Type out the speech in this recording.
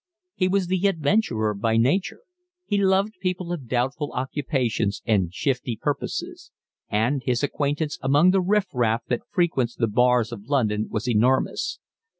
He was the adventurer by nature. He loved people of doubtful occupations and shifty purposes; and his acquaintance among the riff raff that frequents the bars of London was enormous.